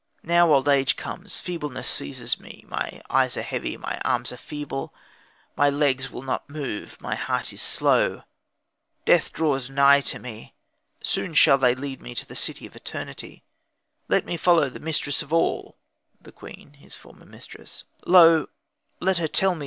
Now old age comes, feebleness seizes me, my eyes are heavy, my arms are feeble, my legs will not move, my heart is slow. Death draws nigh to me, soon shall they lead me to the city of eternity. Let me follow the mistress of all (the queen, his former mistress); lo!